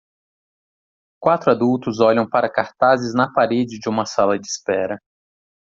Quatro adultos olham para cartazes na parede de uma sala de espera.